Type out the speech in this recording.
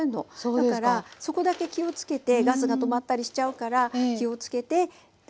だからそこだけ気をつけてガスが止まったりしちゃうから気をつけて火加減。